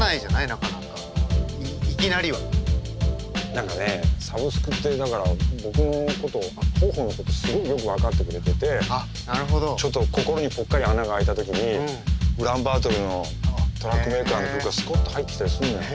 なかなかいきなりは。何かねサブスクってだから僕のこと豊豊のことすごいよく分かってくれててちょっと心にぽっかり穴が開いた時にウランバートルのトラックメーカーの曲がスコッと入ってきたりするのよ。